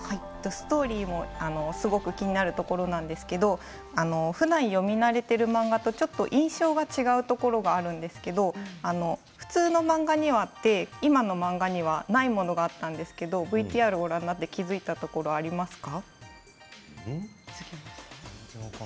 ストーリーも、すごく気になるところなんですけれどもふだん読み慣れている漫画とちょっと印象が違うところがあるんですけれど普通の漫画にはあって今の漫画にはないものがあったんですけれどもＶＴＲをご覧になって気付いたところありますか？